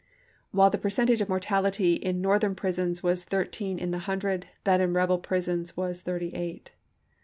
While the percentage of mortality in Northern prisons was thirteen in the hundred, that in rebel prisons was thirty eight.